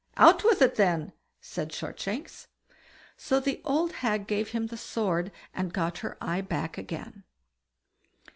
"Out with it, then!" said Shortshanks. So the old hag gave him the sword, and got her eye back again.